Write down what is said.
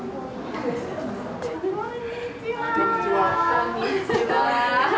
こんにちは。